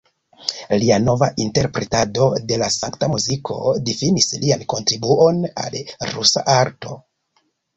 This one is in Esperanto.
Lia nova interpretado de la sankta muziko difinis lian kontribuon al la rusa arto.